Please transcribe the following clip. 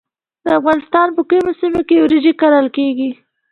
د افغانستان په کومو سیمو کې وریجې کرل کیږي؟